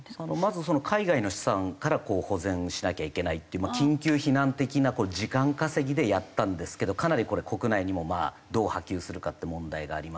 まず海外の資産から保全しなきゃいけないっていう緊急避難的な時間稼ぎでやったんですけどかなりこれ国内にもどう波及するかって問題がありますし。